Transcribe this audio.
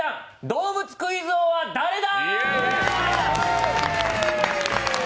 動物クイズ王は誰だ！